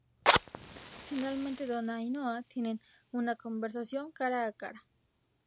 Finalmente, Donna y Noah tienen una conversación cara a cara.